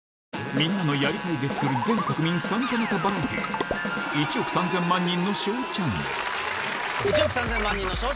みんなの「やりたい」で作る全国民参加型バラエティー『１億３０００万人のＳＨＯＷチャンネル』！